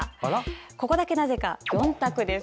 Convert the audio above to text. ここだけ、なぜか４択です。